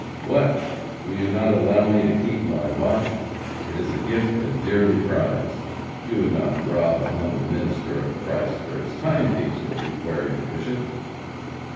"What! Will you not allow me to keep my watch. It is a gift and dearly prized. You would not rob an humble minister of Christ of his timepiece, would you?" queried the Bishop.